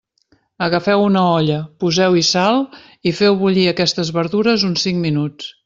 Agafeu una olla, poseu-hi sal i feu bullir aquestes verdures uns cinc minuts.